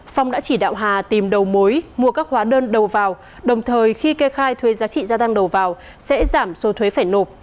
phong đã chỉ đạo hà tìm đầu mối mua các hóa đơn đầu vào đồng thời khi kê khai thuế giá trị gia tăng đầu vào sẽ giảm số thuế phải nộp